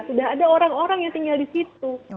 sudah ada orang orang yang tinggal di situ